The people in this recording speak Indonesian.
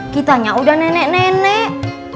kitanya udah nenek nenek